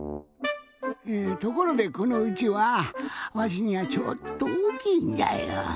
えところでこのうちわわしにはちょっとおおきいんじゃよ。